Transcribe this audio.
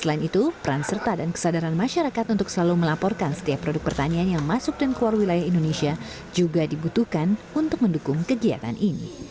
selain itu peran serta dan kesadaran masyarakat untuk selalu melaporkan setiap produk pertanian yang masuk dan keluar wilayah indonesia juga dibutuhkan untuk mendukung kegiatan ini